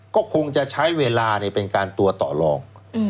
ก็คงจะใช้เวลาในการตัวต่อลอง